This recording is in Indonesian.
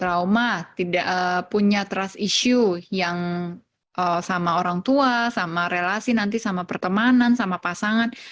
trauma tidak punya trust issue yang sama orang tua sama relasi nanti sama pertemanan sama pasangan